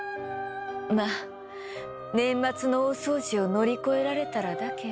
ま年末の大掃除を乗り越えられたらだけど。